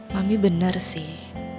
mami bener sih